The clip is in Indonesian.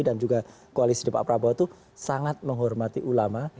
dan juga koalisi di pak prabowo itu sangat menghormati ulama